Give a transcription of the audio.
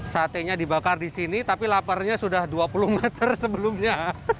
satenya dibakar di sini tapi laparnya sudah dua puluh meter sebelumnya